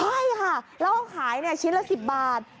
ใช่ค่ะแล้วเขาขายชิ้นละ๑๐บาท